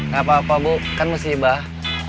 gak apa apa bu kan masih ibah